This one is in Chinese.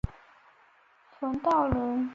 冯道人。